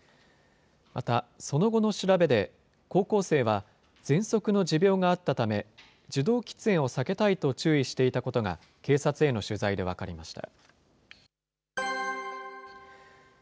また、その後の調べで、高校生はぜんそくの持病があったため、受動喫煙を避けたいと注意していたことが、警察への取材で分かりま